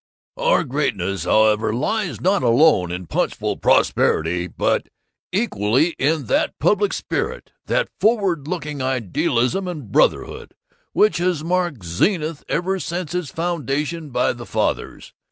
"'Our greatness, however, lies not alone in punchful prosperity but equally in that public spirit, that forward looking idealism and brotherhood, which has marked Zenith ever since its foundation by the Fathers.